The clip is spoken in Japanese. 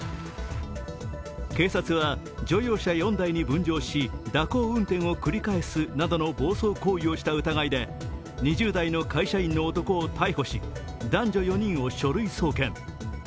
警察は乗用車４台に分乗し、蛇行運転を繰り返すなどの暴走行為をした疑いで２０代の会社員の男を逮捕し男女４人を書類送検。